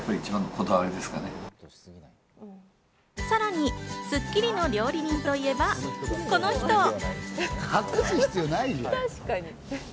さらに『スッキリ』の料理人といえば、この人。